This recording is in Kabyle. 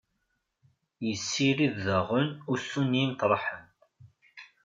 Yessirid daɣen ussu n yimṭarḥen.